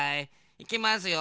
いきますよ。